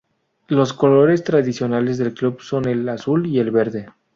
Los colores tradicionales del club son el azul y el verde.